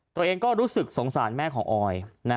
ตัวเองก็รู้สึกสงสารแม่ของออย